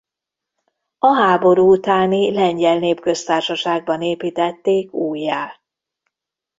A háború utáni Lengyel Népköztársaságban építették újjá.